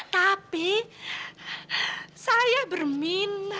tapi saya berminat